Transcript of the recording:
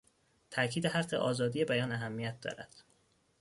تاکید حق آزادی بیان اهمیت دارد.